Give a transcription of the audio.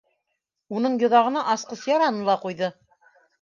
Уның йоҙағына асҡыс яраны ла ҡуйҙы!